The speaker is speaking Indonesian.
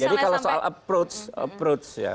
jadi kalau soal approach approach ya